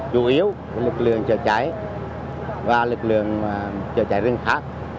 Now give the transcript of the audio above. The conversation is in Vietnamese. chủ yếu lực lượng chở cháy và lực lượng chở cháy rừng khác